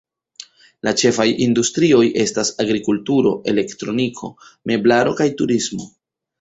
La ĉefaj industrioj estas agrikulturo, elektroniko, meblaro kaj turismo.